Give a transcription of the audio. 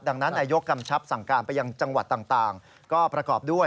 ดังนั้นนายกกำชับสั่งการไปยังจังหวัดต่างก็ประกอบด้วย